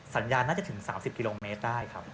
สัญญาณน่าจะถึง๓๐กิโลเมตรได้ครับ